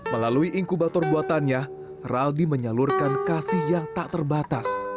melalui inkubator buatannya raldi menyalurkan kasih yang tak terbatas